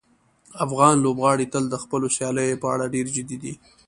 افغان لوبغاړي تل د خپلو سیالیو په اړه ډېر جدي دي.